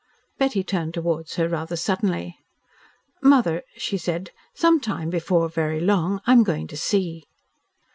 Betty turned towards her rather suddenly. "Mother," she said, "sometime, before very long, I am going to see."